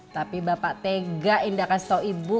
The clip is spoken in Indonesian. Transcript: tapi bapak tega indah kasih tau ibu